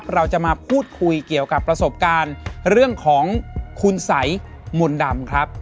เราจะมาพูดคุยเกี่ยวกับประสบการณ์เรื่องของคุณสัยมนต์ดำครับ